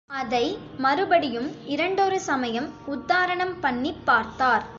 அதை மறுபடியும் இரண்டொரு சமயம் உத்தாரணம் பண்ணிப் பார்த்தார்.